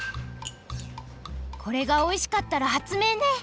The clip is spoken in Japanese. これがおいしかったらはつめいね！